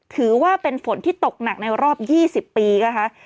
ถือว่าเป็นฝนที่ตกหนักในรอบ๒๐ปีนะคะ